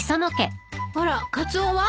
あらカツオは？